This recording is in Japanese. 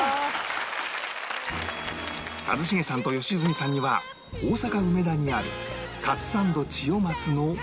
一茂さんと良純さんには大阪梅田にあるかつサンドちよ松の